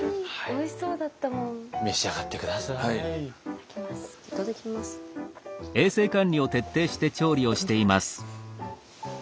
いただきます。